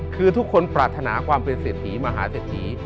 คือทุกคนปรารถนาความเป็นเศรษฐีมหาเศรษฐี